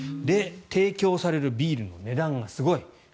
提供されるビールの値段がすごい。